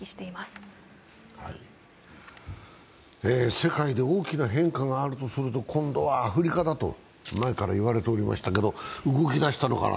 世界で大きな変化があるとすると今度はアフリカだと前から言われておりましたが動きだしたのかな。